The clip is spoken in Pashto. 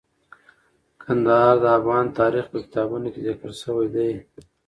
کندهار د افغان تاریخ په کتابونو کې ذکر شوی دی.